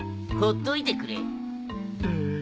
ほっといてくれ。